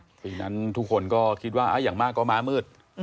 เพราะฉะนั้นทุกคนก็คิดว่าอย่างมากก็ม้ามืด